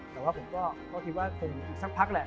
แต่ว่าผมก็คิดว่าคงสักพักแหละ